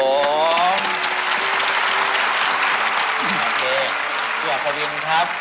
โอเคสวัสดีครับ